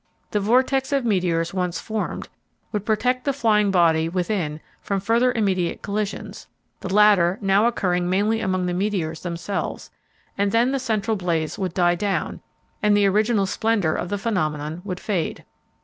The vortex of meteors once formed would protect the flying body within from further immediate collisions, the latter now occurring mainly among the meteors themselves, and then the central blaze would die down, and the original splendor of the phenomenon would fade.